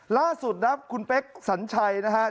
ล่าสุดครับคุณเป๊กสัญชัยนะครับ